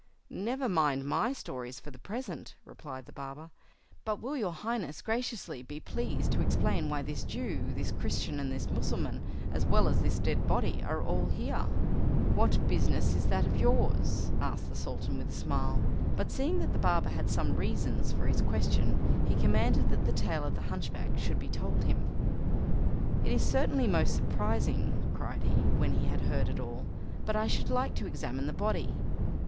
"Never mind my stories for the present," replied the barber, "but will your Highness graciously be pleased to explain why this Jew, this Christian, and this Mussulman, as well as this dead body, are all here?" "What business is that of yours?" asked the Sultan with a smile; but seeing that the barber had some reasons for his question, he commanded that the tale of the hunchback should be told him. "It is certainly most surprising," cried he, when he had heard it all, "but I should like to examine the body."